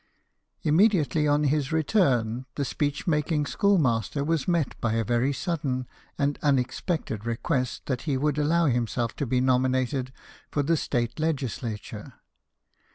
Immediately on his return, the speech making JAMES GARFIELD, CANAL BOY. 153 schoolmaster was met by a very sudden and un expected request that he would. allow himself to be nominated for the State legislature.